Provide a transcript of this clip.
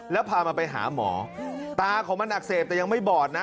แล้วพามันไปหาหมอตาของมันอักเสบแต่ยังไม่บอดนะ